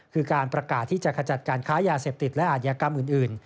คือการประกาศที่จะขจัดการค้ายาเสพติดและอาจยากรรมอื่น